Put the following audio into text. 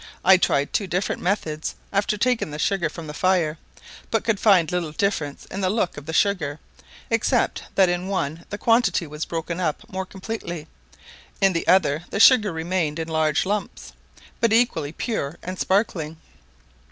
I tried two different methods after taking the sugar from the fire, but could find little difference in the look of the sugar, except that in one the quantity was broken up more completely; in the other the sugar remained in large lumps, but equally pure and sparkling.